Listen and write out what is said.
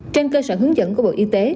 trên cơ sở hướng dẫn của bộ y tế